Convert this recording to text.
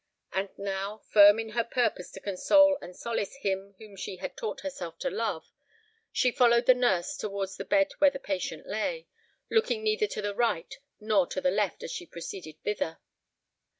And now, firm in her purpose to console and solace him whom she had taught herself to love, she followed the nurse towards the bed where the patient lay,—looking neither to the right nor to the left as she proceeded thither.